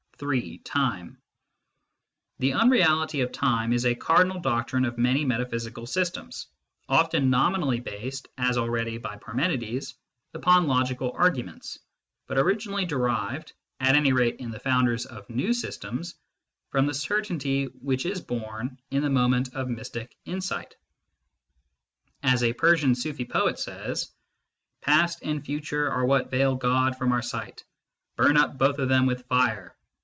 III. TIME The unreality of time is a cardinal doctrine of many metaphysical systems, often nominally based, as already by Parmenides, upon logical arguments, but originally derived, at any rate in the founders of new systems, from the certainty which is born in the moment of mystic insight. As a Persian Sufi poet says :" Past and future are what veil God from our sight. Burn up both of them with fire